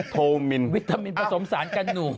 โทมินวิตามินผสมสารกันหนู